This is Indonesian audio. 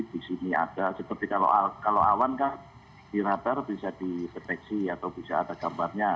di sini ada seperti kalau awan kan di radar bisa dideteksi atau bisa ada gambarnya